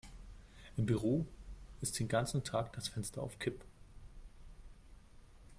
Im Büro ist den ganzen Tag das Fenster auf Kipp.